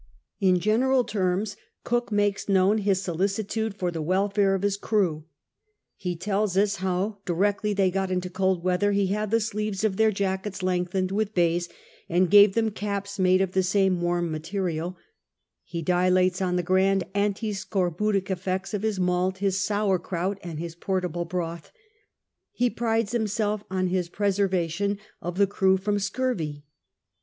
In general terms Cook makes known his solicitude for the welfare of liis crew ; he tells us how, directly they got into cold weather, he had the sleeves of their jackets lengthened with baize and gave them caps made of the same warm material ; he dilates on the grand antiscorbutic effects of his malt, his sour krout, and his portable broth ; he prides himself on his preservation of 176 CAPTAIN COOK CHAP. the crew from scurvy.